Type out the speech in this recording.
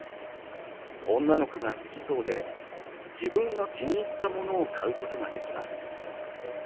女の子が好きそうで自分が気に入ったものを買うことができます。